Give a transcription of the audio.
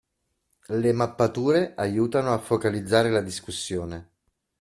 Le mappature aiutano a focalizzare la discussione.